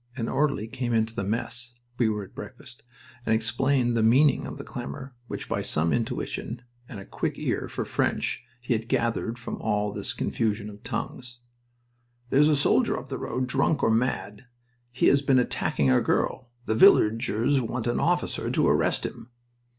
An orderly came into the mess we were at breakfast and explained the meaning of the clamor, which by some intuition and a quick ear for French he had gathered from all this confusion of tongues. "There's a soldier up the road, drunk or mad. He has been attacking a girl. The villagers want an officer to arrest him."